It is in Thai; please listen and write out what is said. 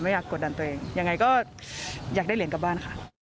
อยากกดดันตัวเองยังไงก็อยากได้เหรียญกลับบ้านค่ะ